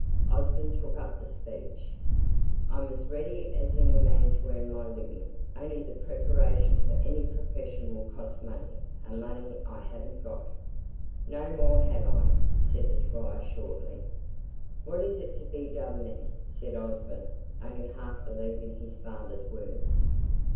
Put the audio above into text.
Osborne took up the speech. "I'm as ready as any man to earn my living; only the preparation for any profession will cost money, and money I haven't got." "No more have I," said the Squire, shortly. "What is to be done then?" said Osborne, only half believing his father's words.